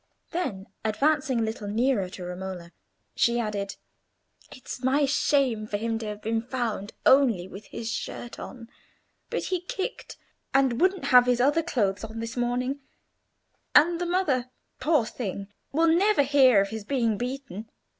Then, advancing a little nearer to Romola, she added, "It's my shame for him to have been found with only his shirt on; but he kicked, and wouldn't have his other clothes on this morning, and the mother, poor thing, will never hear of his being beaten.